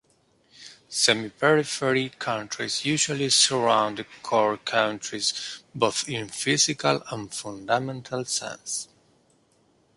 Semi-periphery countries usually surround the core countries both in a physical and fundamental sense.